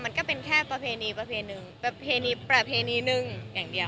มันก็เป็นแค่ประเพณีประเพณีประเพณีหนึ่งอย่างเดียว